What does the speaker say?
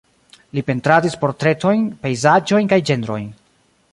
Li pentradis portretojn, pejzaĝojn kaj ĝenrojn.